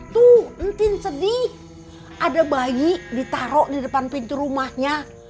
tuh entin sedih ada bayi ditaruh di depan pintu rumahnya